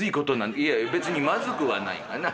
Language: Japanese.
「いや別にまずくはないがな。